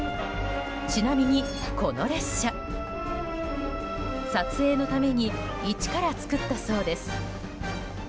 ちなみに、この列車撮影のために一から作ったそうです。